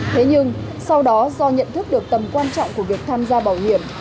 thế nhưng sau đó do nhận thức được tầm quan trọng của việc tham gia bảo hiểm